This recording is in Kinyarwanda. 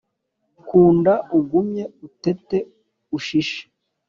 Kunda ugumye utete ushishe